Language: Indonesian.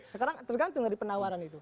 sekarang tergantung dari penawaran itu